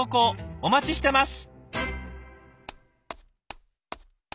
お待ちしてます。